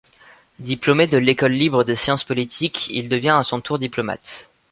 Diplômé de l'École libre des sciences politiques, il devient à son tour diplomate.